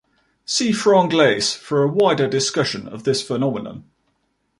See franglais for a wider discussion of this phenomenon.